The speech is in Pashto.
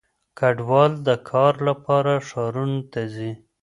کډوال د کار لپاره ښارونو ته ځي.